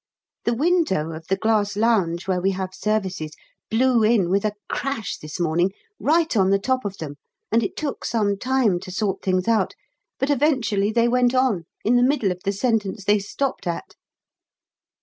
The window of the glass lounge where we have services blew in with a crash this morning, right on the top of them, and it took some time to sort things out, but eventually they went on, in the middle of the sentence they stopped at.